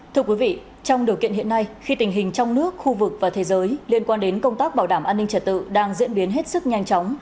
thưa quý vị trong điều kiện hiện nay khi tình hình trong nước khu vực và thế giới liên quan đến công tác bảo đảm an ninh trật tự đang diễn biến hết sức nhanh chóng